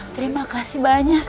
terima kasih banyak